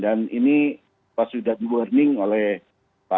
dan ini pasti jadi warning oleh pak